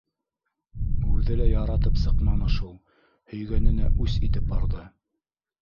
Үҙе лә яратып сыҡманы шул. һөйгәненә үс итеп барҙы.